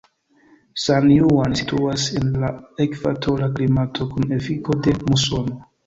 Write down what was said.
San Juan situas en la ekvatora klimato kun efiko de musono.